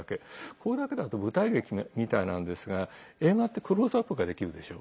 これだけだと舞台劇みたいなんですが映画ってクローズアップができるでしょ。